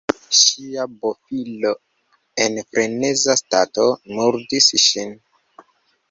Ŝia bofilo (en freneza stato) murdis ŝin.